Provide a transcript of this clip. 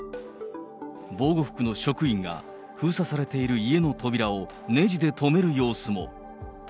防護服の職員が、封鎖されている家の扉をねじで留める様子も。